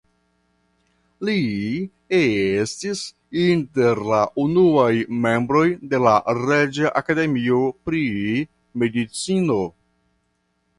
Li estis inter la unuaj membroj de la reĝa akademio pri medicino.